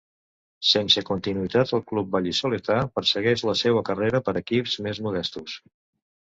Sense continuïtat al club val·lisoletà, prossegueix la seua carrera per equips més modestos.